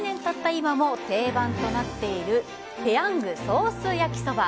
今も定番となっているペヤングソースやきそば。